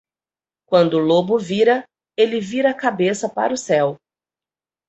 Quando o lobo vira, ele vira a cabeça para o céu.